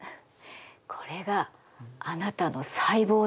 これがあなたの細胞よ。